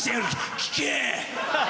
聞け！